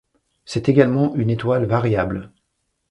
C'est également une étoile variable.